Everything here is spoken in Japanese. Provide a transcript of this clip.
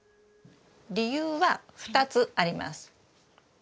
理由は２つあります。